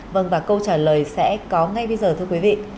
vâng và câu trả lời sẽ có ngay bây giờ thưa quý vị